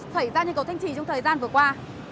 xảy ra như cầu thanh trì trong thời gian vừa qua